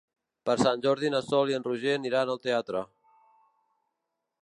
Per Sant Jordi na Sol i en Roger aniran al teatre.